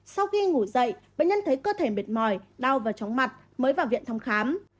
sau khi ngủ dậy bệnh nhân thấy cơ thể mệt mỏi đau và chóng mặt mới vào viện thăm khám